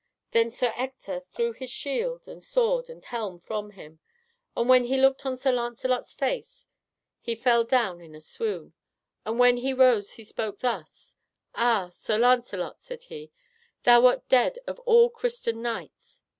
Then Sir Ector threw his shield and sword and helm from him, and when he looked on Sir Lancelot's face he fell down in a swoon, and when he rose he spoke thus: "Ah, Sir Lancelot," said he, "thou wert dead of all Christen knights!